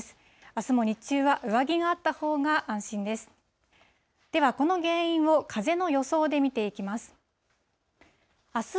あすも日中は、上着があったほうが安心です。